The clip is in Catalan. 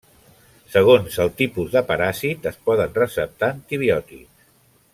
Segons el tipus de paràsit, es poden receptar antibiòtics.